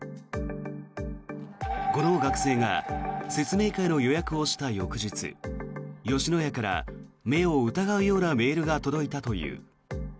この学生が説明会の予約をした翌日吉野家から目を疑うようなメールが届いたという。